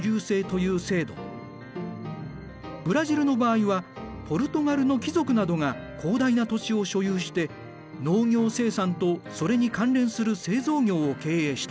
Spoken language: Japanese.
ブラジルの場合はポルトガルの貴族などが広大な土地を所有して農業生産とそれに関連する製造業を経営した。